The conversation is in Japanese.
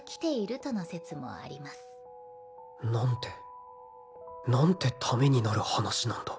何て何てためになる話なんだ